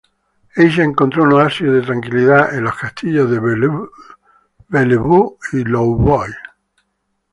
Ella encontró un oasis de tranquilidad en los castillos de Bellevue y Louvois.